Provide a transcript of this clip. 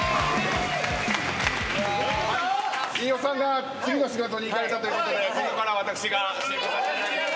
飯尾さんが次の仕事に行かれたということでここから私が進行させていただきます。